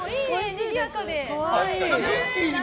にぎやかで。